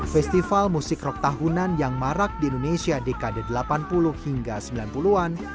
festival musik rock tahunan yang marak di indonesia dekade delapan puluh hingga sembilan puluh an